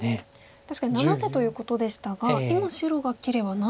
確かに７手ということでしたが今白が切れば何手ですか？